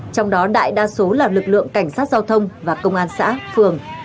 trong đó đại đa số là lực lượng cảnh sát giao thông và công an xã phường